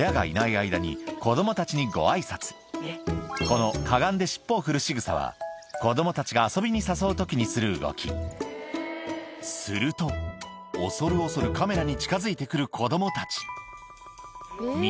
まずはこのかがんで尻尾を振るしぐさは子供たちが遊びに誘う時にする動きすると恐る恐るカメラに近づいてくる子供たち見